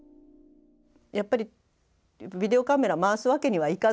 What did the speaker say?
やっぱりビデオカメラ回すわけにはいかず